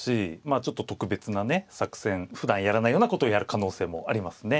あちょっと特別なね作戦ふだんやらないようなことをやる可能性もありますね。